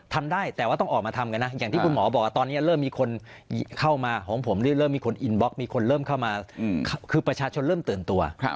ทำได้แต่ว่าต้องออกมาทำกันนะอย่างที่คุณหมอบอกว่าตอนนี้เริ่มมีคนเข้ามาของผมเริ่มมีคนอินบล็อกมีคนเริ่มเข้ามาคือประชาชนเริ่มตื่นตัว